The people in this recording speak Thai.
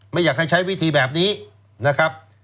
ไม่อยากให้ใช้วิธีแบบนี้นะครับ